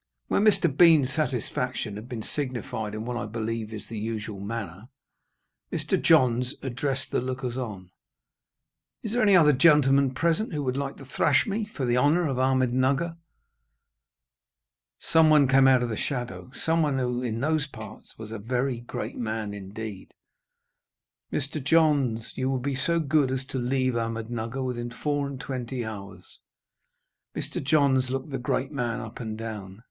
When Mr. Bean's satisfaction had been signified in what, I believe, is the usual manner, Mr. Johns addressed the lookers on: "Is there any other gentleman present who would like to thrash me for the honour of Ahmednugger?" Someone came out of the shadow someone who, in those parts, was a very great man indeed. "Mr. Johns, you will be so good as to leave Ahmednugger within four and twenty hours." Mr. Johns looked the great man up and down.